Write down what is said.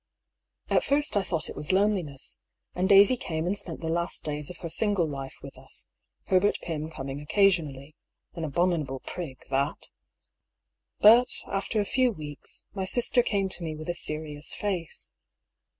At first I thought it was loneliness, and Daisy came and spent the last days of her single life with us, Herbert Pym coming occasionally. (An abominable prig, that !) But after a few weeks, my sister came to me with a seri ous face.